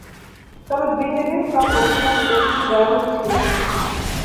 তবে ব্রিটেনের সব অভিজাত লোক ই ব্যারন ছিলেন না।